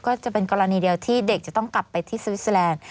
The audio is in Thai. ก็จะเป็นกรณีเดียวที่เด็กจะต้องกลับไปที่สวิสเตอร์แลนด์